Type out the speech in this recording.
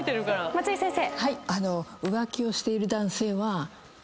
松井先生。